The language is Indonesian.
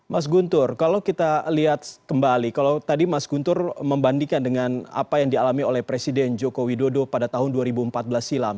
mas guntur kalau kita lihat kembali kalau tadi mas guntur membandingkan dengan apa yang dialami oleh presiden joko widodo pada tahun dua ribu empat belas silam